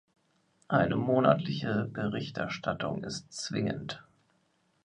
Eine monatliche Berichterstattung ist zwingend.